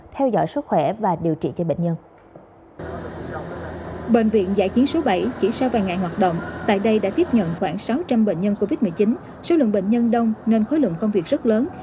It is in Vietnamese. khoảng sáu trăm linh bệnh nhân covid một mươi chín số lượng bệnh nhân đông nên khối lượng công việc rất lớn